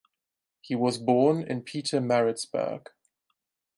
He was born in Pietermaritzburg.